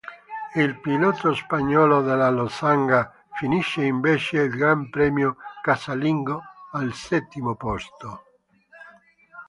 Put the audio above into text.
Il pilota spagnolo della Losanga finisce invece il Gran premio casalingo al settimo posto.